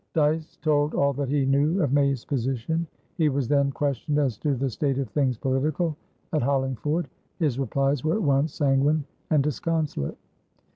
Dyce told all that he knew of May's position. He was then questioned as to the state of things political at Hollingford: his replies were at once sanguine and disconsolate.